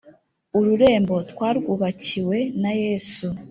Ururembo twarwubakiwe na yesu